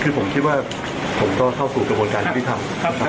คือผมคิดว่าผมก็เข้าสู่กระบวนการที่ได้ทำครับ